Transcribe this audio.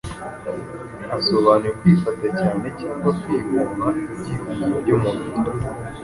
asobanuye kwifata cyane cyangwa kwigomwa ibyifuzo by’umubiri,